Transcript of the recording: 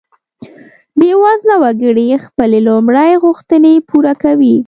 بیوزله وګړي خپلې لومړۍ غوښتنې پوره کوي.